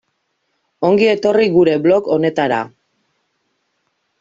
Ongi etorri gure blog honetara.